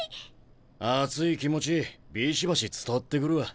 熱い気持ちビシバシ伝わってくるわ。